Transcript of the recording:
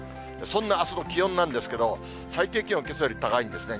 そんなあすの気温なんですけど、最低気温、けさより高いんですね。